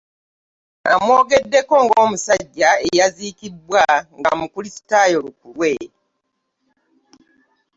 Amwogeddeko ng'omusajja eyakuzibwa nga mukulisitaayo lukulwe